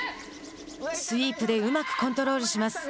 スイープでうまくコントロールします。